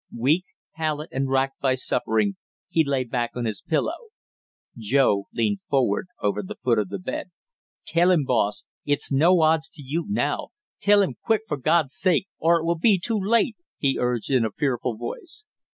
Weak, pallid, and racked by suffering, he lay back on his pillow. Joe leaned forward over the foot of the bed. "Tell him, boss; it's no odds to you now tell him quick for God's sake, or it will be too late!" he urged in a fearful voice.